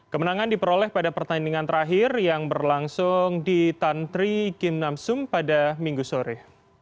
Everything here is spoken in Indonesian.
kemenangan diperoleh pada pertandingan terakhir yang berlangsung di tantri kim namsung pada minggu sore